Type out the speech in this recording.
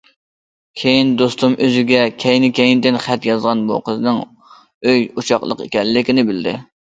كېيىن دوستۇم ئۆزىگە كەينى- كەينىدىن خەت يازغان بۇ قىزنىڭ ئۆي ئوچاقلىق ئىكەنلىكىنى بىلدى.